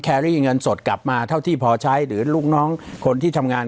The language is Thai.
รี่เงินสดกลับมาเท่าที่พอใช้หรือลูกน้องคนที่ทำงาน